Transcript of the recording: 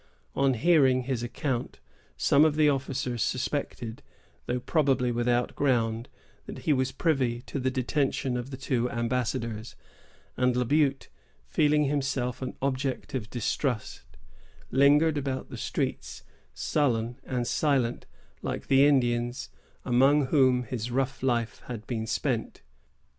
On hearing his account, some of the officers suspected, though probably without ground, that he was privy to the detention of the two ambassadors; and La Butte, feeling himself an object of distrust, lingered about the streets, sullen and silent, like the Indians among whom his rough life had been spent.